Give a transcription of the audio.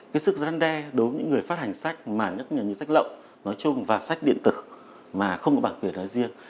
cái sức răn đe đối với những người phát hành sách mà như sách lậu nói chung và sách điện tử mà không có bản quyền nói riêng